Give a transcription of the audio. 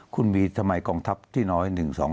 คุณมีสมัยกองทัพที่น้อย๑๒๓๔